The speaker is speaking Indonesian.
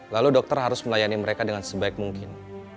lalu dokter harus melayani mereka dengan sebaik mungkin